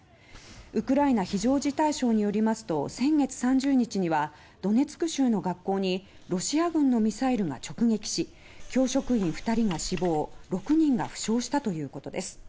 ウクライナ非常事態省によりますと先月３０日にはドネツク州の学校にロシア軍のミサイルが直撃し教職員２人が死亡６人が負傷したということです。